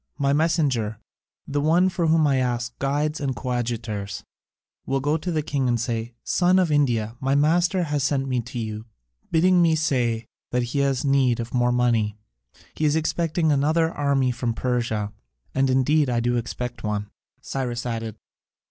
My messenger the one for whom I ask guides and coadjutors will go to the king and say: 'Son of India, my master has sent me to you, bidding me say that he has need of more money. He is expecting another army from Persia,' and indeed I do expect one," Cyrus added.